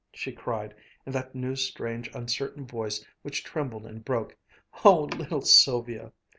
she cried, in that new, strange, uncertain voice which trembled and broke, "Oh, little Sylvia!"